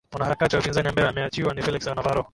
mwanaharakati wapinzani ambaye ameachiwa ni felix navaro